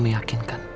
lu mau ke depan karin